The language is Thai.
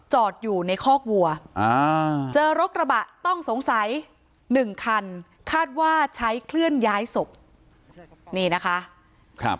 จอดอยู่ในคอกวัวเจอรถกระบะต้องสงสัยหนึ่งคันคาดว่าใช้เคลื่อนย้ายศพนี่นะคะครับ